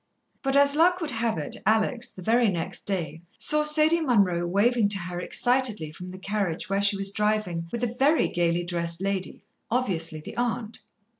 But as luck would have it, Alex, the very next day, saw Sadie Munroe waving to her excitedly from the carriage where she was driving with a very gaily dressed lady, obviously the aunt.